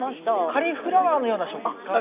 カリフラワーのような食感ですよね。